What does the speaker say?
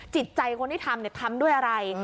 จิตใจคนที่ทำทำด้วยอะไร